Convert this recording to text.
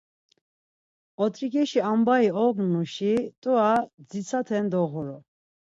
Ot̆riǩeşi ambai ognuşi, t̆ura dzitsaten doğuru.